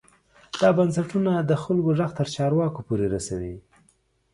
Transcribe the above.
دا بنسټونه د خلکو غږ تر چارواکو پورې رسوي.